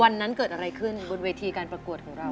วันนั้นเกิดอะไรขึ้นบนเวทีการประกวดของเรา